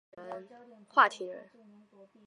华亭人。